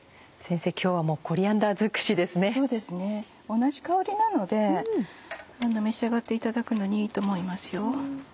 同じ香りなので召し上がっていただくのにいいと思います。